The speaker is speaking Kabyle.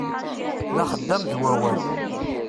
D axeddam d wawal.